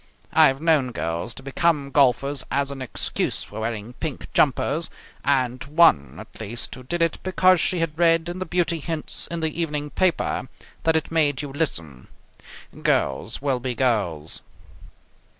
I have known girls to become golfers as an excuse for wearing pink jumpers, and one at least who did it because she had read in the beauty hints in the evening paper that it made you lissome. Girls will be girls.